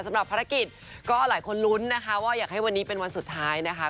สำหรับภารกิจก็หลายคนลุ้นนะคะว่าอยากให้วันนี้เป็นวันสุดท้ายนะคะ